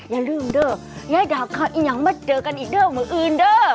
อย่าลืมเด้อยายดาบค่ะอีกอย่างมาเจอกันอีกเด้อมืออื่นเด้อ